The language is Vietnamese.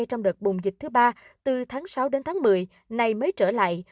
trong đợt bùng dịch thứ ba từ tháng sáu đến tháng một mươi này mới trở lại